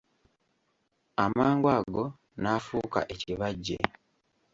Amangu ago, n'afuuka ekibajje.